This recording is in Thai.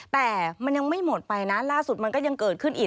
แต่มันยังไม่หมดไปนะล่าสุดมันก็ยังเกิดขึ้นอีก